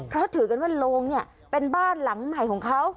เขาถือกันว่าโรงเนี่ยเป็นบ้านหลังใหม่ของเขา